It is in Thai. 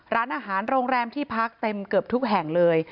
ร้านอาหารโรงแรมที่พักเต็มเกือบทุกแห่งเลย